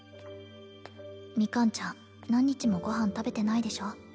ミカンちゃん何日もご飯食べてないでしょ